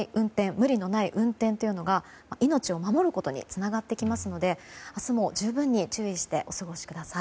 無理のない運転というのが命を守ることにつながってきますので明日も、十分に注意してお過ごしください。